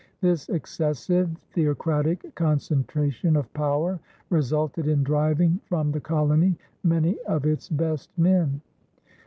This excessive theocratic concentration of power resulted in driving from the colony many of its best men.